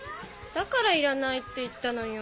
だからいらないって言ったのよ。